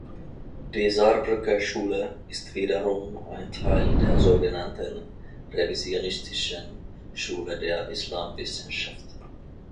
Die „Saarbrücker Schule“ ist wiederum ein Teil der sogenannten Revisionistischen Schule der Islamwissenschaft.